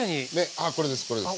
ああこれですこれです。